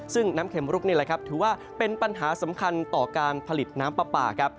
ซึ่งน้ำเข็มลุกนี่แหละครับถือว่าเป็นปัญหาสำคัญต่อการผลิตน้ำปลาครับ